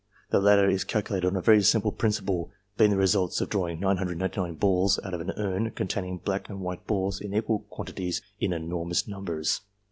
The latter is cal culated on a very simple principle, being the results of drawing 999 balls out of an urn, containing white and black balls in equal quantities and in enormous numbers.